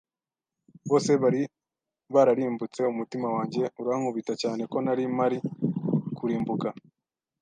bose bari bararimbutse, umutima wanjye urankubita cyane ko ntari mpari kurimbuka